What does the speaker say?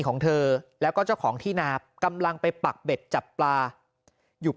ของเธอแล้วก็เจ้าของที่นากำลังไปปักเบ็ดจับปลาอยู่